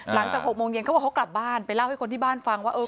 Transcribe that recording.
หลังจาก๖โมงเย็นเขาบอกเขากลับบ้านไปเล่าให้คนที่บ้านฟังว่า